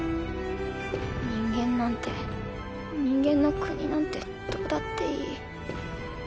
人間なんて人間の国なんてどうだっていい。